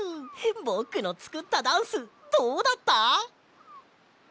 ぼくのつくったダンスどうだった？